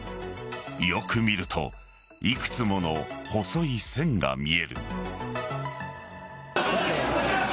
よく見るといくつもの細い線が見える。